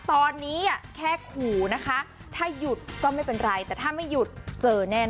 ตอนนี้แค่ขู่นะคะถ้าหยุดก็ไม่เป็นไรแต่ถ้าไม่หยุดเจอแน่นอ